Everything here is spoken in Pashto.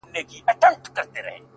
• که طوطي چېري ګنجی لیدلی نه وای,